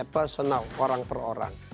personal orang per orang